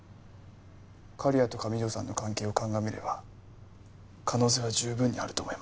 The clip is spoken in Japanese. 刈谷と上條さんの関係を鑑みれば可能性は十分にあると思いますけど。